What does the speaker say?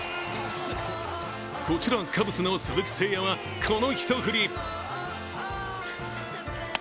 こちらカブスの鈴木誠也は、この一振り。